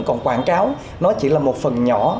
còn quảng cáo nó chỉ là một phần nhỏ